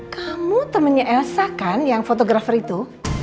kamu temennya elsa kan yang fotografer itu